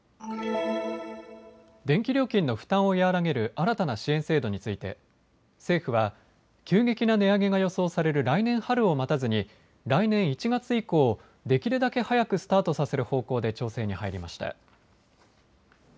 電気料金の負担を和らげる新たな支援制度について政府は急激な値上げが予想される来年春を待たずに来年１月以降、できるだけ早くスタートさせる方向で調整に入りました。